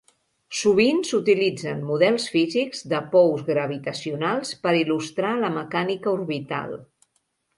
Sovint s'utilitzen models físics de pous gravitacionals per il·lustrar la mecànica orbital.